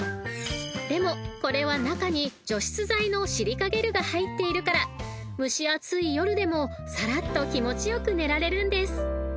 ［でもこれは中に除湿剤のシリカゲルが入っているから蒸し暑い夜でもさらっと気持ち良く寝られるんです］